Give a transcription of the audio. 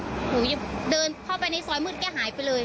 หนูเดินเข้าไปในซอยมืดแกหายไปเลย